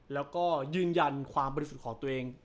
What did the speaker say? แล้วก็ยืนยันความประโยชน์ของตัวเอง